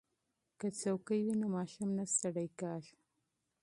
که څوکۍ وي نو ماشوم نه ستړی کیږي.